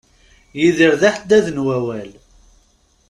Yidir d aḥeddad n wawal.